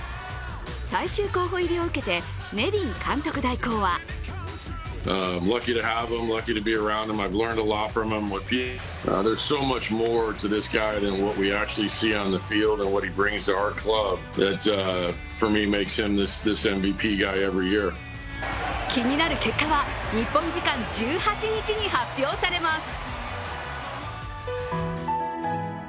最終候補入りを受けてネビン監督代行は気になる結果は日本時間１８日に発表されます。